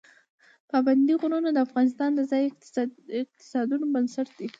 پابندی غرونه د افغانستان د ځایي اقتصادونو بنسټ دی.